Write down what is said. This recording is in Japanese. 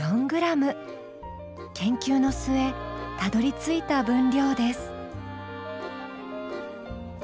研究の末たどりついた分量です。